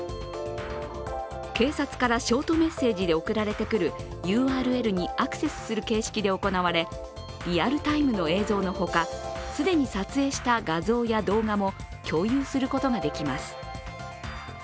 警察からショートメッセージで送られてくるＵＲＬにアクセスする形式で行われリアルタイムの映像の他既に撮影した画像や動画も共有することができます。